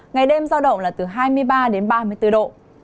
ngày đêm giao động là từ hai mươi ba đến ba mươi bốn độ